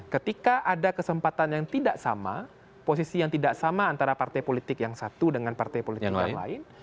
ketika ada kesempatan yang tidak sama posisi yang tidak sama antara partai politik yang satu dengan partai politik yang lain